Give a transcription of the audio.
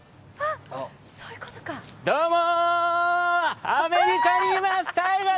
どうも！